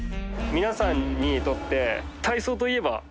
皆さんにとって体操といえば？